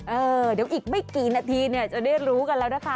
เออเดี๋ยวอีกไม่กี่นาทีเนี่ยจะได้รู้กันแล้วนะคะ